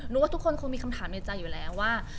ว่าทุกคนคงมีคำถามในใจอยู่แล้วว่า